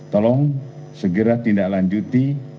tolong segera tindak lanjuti